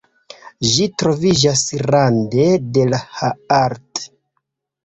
Ĝi troviĝas rande de la Haardt.